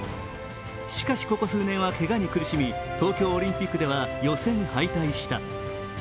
しかしここ数年はけがに苦しみ、東京オリンピックでは予選敗退した。